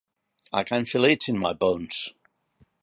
"I can feel it in my bones"